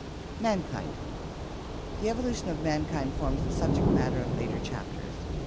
Mankind The evolution of mankind forms the subject matter of later chapters.